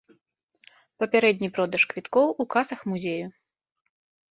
Папярэдні продаж квіткоў у касах музею.